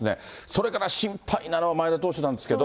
それから心配なのは前田投手なんですけど。